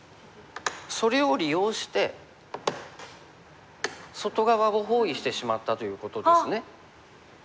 それを利用して外側を包囲してしまったということですね。